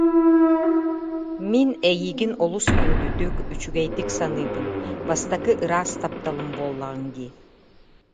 Мин эйигин олус күндүтүк, үчүгэйдик саныыбын, бастакы ыраас тапталым буоллаҕыҥ дии